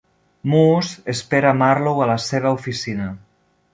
Moose espera a Marlowe a la seva oficina.